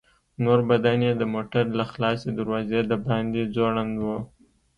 نور بدن يې د موټر له خلاصې دروازې د باندې ځوړند و.